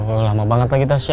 loh lama banget lagi tasya